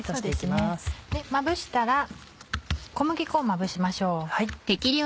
まぶしたら小麦粉をまぶしましょう。